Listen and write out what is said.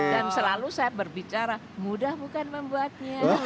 dan selalu saya berbicara mudah bukan membuatnya